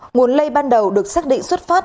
nguồn lây ban đầu được xác định xuất phát